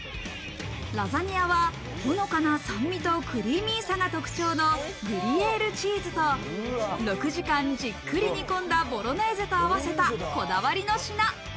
ラザニアはほのかな酸味とクリーミーさが特徴のグリエールチーズと６時間じっくり煮込んだボロネーゼと合わせたこだわりの品。